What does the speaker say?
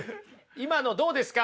今のどうですか？